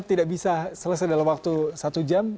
tidak bisa selesai dalam waktu satu jam